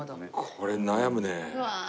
これ悩むね。